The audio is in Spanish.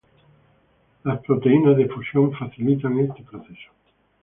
Las "proteínas de fusión" facilitan este proceso.